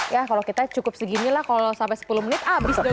ya kalau kita cukup segini lah kalau sampai sepuluh menit abis dong